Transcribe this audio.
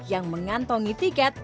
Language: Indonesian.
yang mengantongi tiket